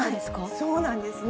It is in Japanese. そうなんですね。